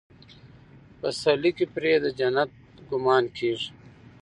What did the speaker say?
پسرلي کې پرې د جنت ګمان کېږي.